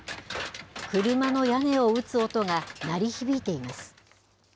車の屋根を打つ音が鳴り響いています。